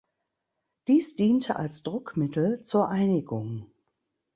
Dies diente als Druckmittel zur Einigung.